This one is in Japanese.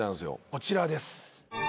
こちらです。